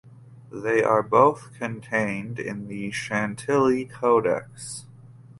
They are both contained in the Chantilly Codex.